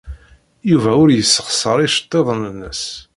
Yuba ur yessexṣar iceḍḍiḍen-nnes.